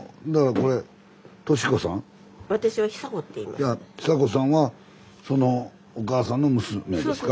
いや寿子さんはお母さんの娘ですか？